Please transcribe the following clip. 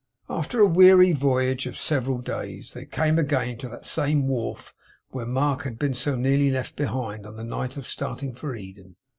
After a weary voyage of several days, they came again to that same wharf where Mark had been so nearly left behind, on the night of starting for Eden.